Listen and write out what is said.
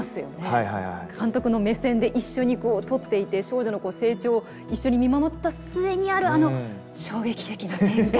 監督の目線で一緒にこう撮っていて少女の成長を一緒に見守った末にあるあの衝撃的な展開。